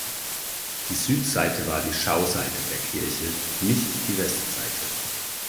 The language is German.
Die Südseite war die Schauseite der Kirche, nicht die Westseite.